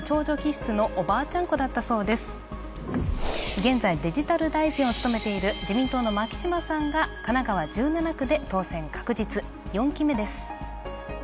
現在デジタル大臣を務めている自民党の牧島さんが神奈川１７区で当選確実４期目です。